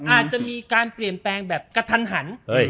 อาจจะมีการเปลี่ยนแปลงแบบกระทันหัน